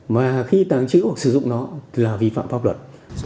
mà khi tàng trữ hoặc sử dụng nó là vi phạm pháp luật